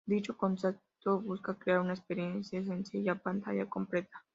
Dicho concepto busca crear una experiencia sencilla a pantalla completa.